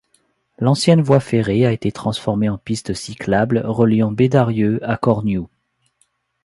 L'ancienne voie ferrée a été transformée en piste cyclable reliant Bédarieux à Courniou.